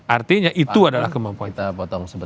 artinya itu adalah kemampuan